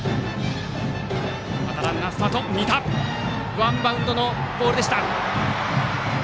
ワンバウンドのボールになりました。